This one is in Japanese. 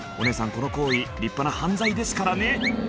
この行為立派な犯罪ですからね